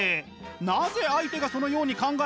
なぜ相手がそのように考えるのか